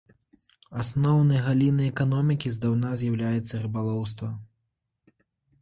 Асноўнай галінай эканомікі здаўна з'яўляецца рыбалоўства.